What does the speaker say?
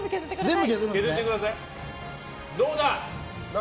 どうだ。